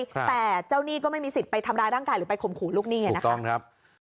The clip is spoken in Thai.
แต่เจ้าหนี้ก็ไม่มีสิทธิ์ไปทำร้ายร่างกายหรือไปขมขูลูกหนี้ไงนะคะ